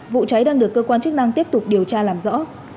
vụ cháy đang được cơ quan chức năng tiếp tục điều tra làm rõ